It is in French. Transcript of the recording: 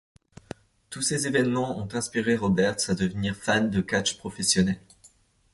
Tous ces évènements ont inspiré Roberts à devenir fan de catch professionnel.